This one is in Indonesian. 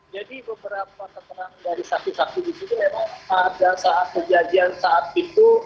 jadi beberapa keterangan dari saksi saksi itu memang ada saat kejadian saat itu